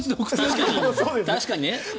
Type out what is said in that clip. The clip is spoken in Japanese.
確かにね。